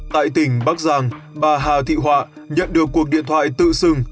tại tỉnh bắc giang bà hà thị họa nhận được cuộc điện thoại tự xưng